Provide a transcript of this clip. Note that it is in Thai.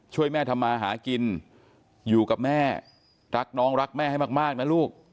ช่วยแม่ทำมาหากินอยู่กับแม่รักน้องรักแม่ให้มากนะลูก